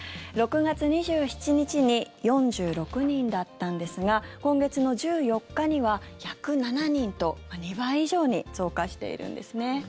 ６月２７日に４６人だったんですが今月１４日には１０７人と２倍以上に増加しているんですね。